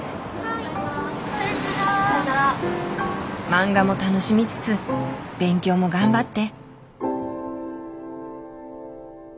マンガも楽しみつつ勉強も頑張って！